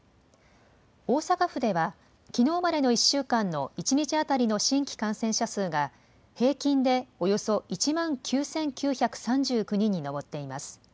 大阪府では、きのうまでの１週間の１日当たりの新規感染者数が、平均でおよそ１万９９３９人に上っています。